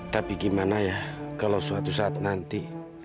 tapi gimana ya kalau suatu saat nanti